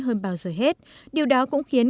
hơn bao giờ hết điều đó cũng khiến